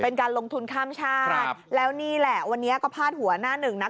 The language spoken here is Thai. เป็นการลงทุนข้ามชาติแล้วนี่แหละวันนี้ก็พาดหัวหน้าหนึ่งนะ